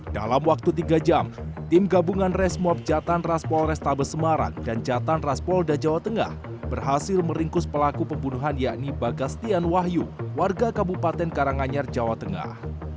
dalam waktu tiga jam tim gabungan resmob jatan raspol restabel semarang dan jatan raspol dajawa tengah berhasil meringkus pelaku pembunuhan yakni bagas tian wahyu warga kabupaten karanganyar jawa tengah